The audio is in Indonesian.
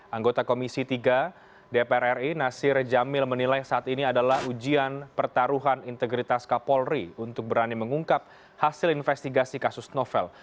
anggota komisi tiga dpr ri nasir jamil menilai saat ini adalah ujian pertaruhan integritas kapolri untuk berani mengungkap hasil investigasi kasus novel